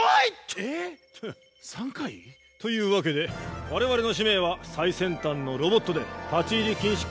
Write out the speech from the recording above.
えっ３回？というわけで我々の使命は最先端のロボットで立ち入り禁止区域を撮影することだ。